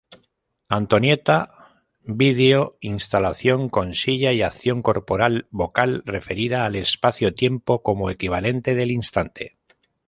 Antonieta, video-instalación con silla y acción corporal-vocal referida al espacio-tiempo como equivalente del instante.